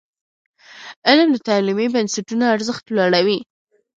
علم د تعلیمي بنسټونو ارزښت لوړوي.